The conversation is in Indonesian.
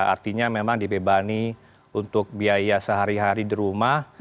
artinya memang dibebani untuk biaya sehari hari di rumah